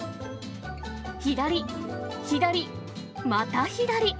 左、左、また左。